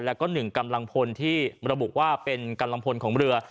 แล้วก็๑กำลังพลที่ระบุว่าเป็นกำลังพลของเรือ